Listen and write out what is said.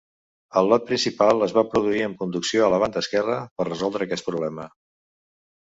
El lot principal es va produir amb conducció a la banda esquerra per resoldre aquest problema.